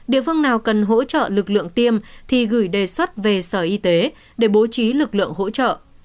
địa phương nào cần hỗ trợ lực lượng tiêm thì gửi đề xuất về sở y tế để bố trí lực lượng hỗ trợ